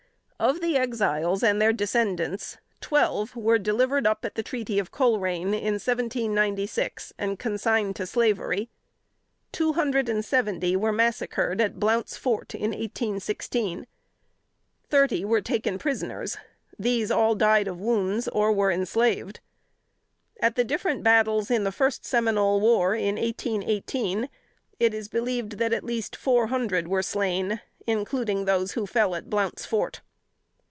Of the Exiles and their descendants, twelve were delivered up at the treaty of Colerain in 1796, and consigned to slavery; two hundred and seventy were massacred at Blount's Fort in 1816; thirty were taken prisoners these all died of wounds or were enslaved. At the different battles in the first Seminole War in 1818, it is believed that at least four hundred were slain, including those who fell at Blount's Fort.